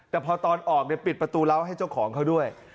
แต่พอตอนออกปิดประตูเล้าให้เจ้าของเขาด้วย